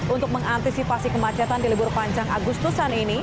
untuk mengantisipasi kemacetan di libur panjang agustusan ini